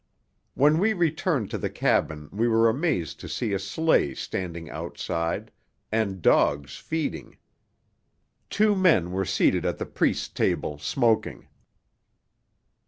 When we returned to the cabin we were amazed to see a sleigh standing outside, and dogs feeding. Two men were seated at the priests table, smoking.